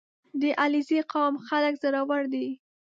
• د علیزي قوم خلک زړور دي.